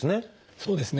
そうですね。